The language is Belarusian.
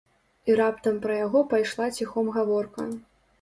І раптам пра яго пайшла ціхом гаворка.